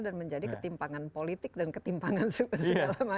dan menjadi ketimpangan politik dan ketimpangan segala macam